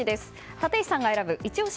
立石さんが選ぶイチ推し